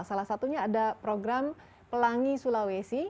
salah satunya ada program pelangi sulawesi